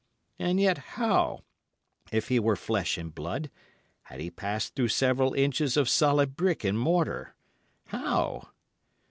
And yet, how, if he were flesh and blood, had he passed through several inches of solid brick and mortar? How?